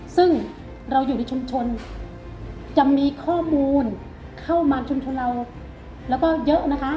ซึ่งเราอยู่ในชุมชนจะมีข้อมูลเข้ามาชุมชนเราแล้วก็เยอะนะคะ